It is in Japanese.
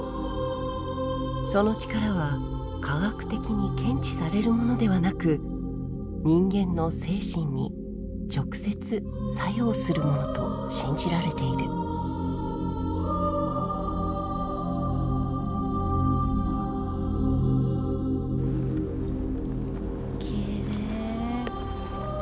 その力は科学的に検知されるものではなく人間の精神に直接作用するものと信じられているきれい。